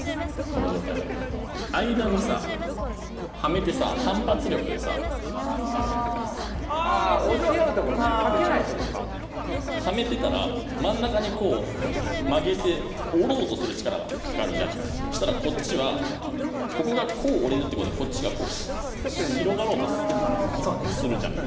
この状態だとかけないってことかはめてたら真ん中にこう曲げて折ろうとする力がかかるじゃんそしたらこっちはここがこう折れるってことはこっちがこう広がろうとするじゃん